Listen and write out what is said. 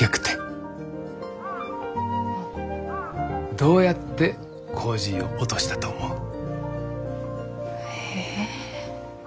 どうやってコージーを落としたと思う？え。